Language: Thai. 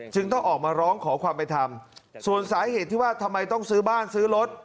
ต้องออกมาร้องขอความเป็นธรรมส่วนสาเหตุที่ว่าทำไมต้องซื้อบ้านซื้อรถ